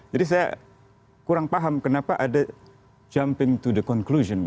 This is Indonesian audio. jadi saya kurang paham kenapa ada jumping to the conclusion